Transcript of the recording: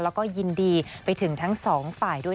แล้วก็ยินดีไปถึงทั้งสองฝ่ายด้วย